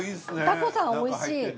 タコさんおいしい。